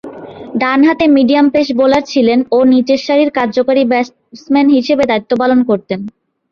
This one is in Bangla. ডানহাতে মিডিয়াম পেস বোলার ছিলেন ও নিচেরসারির কার্যকরী ব্যাটসম্যান হিসেবে দায়িত্ব পালন করতেন।